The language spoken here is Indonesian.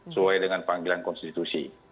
suai dengan panggilan konstitusi